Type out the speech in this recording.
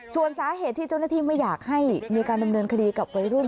ส่วนสาเหตุที่เจ้าหน้าที่ไม่อยากให้มีการดำเนินคดีกับวัยรุ่น